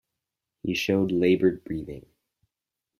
He showed laboured breathing.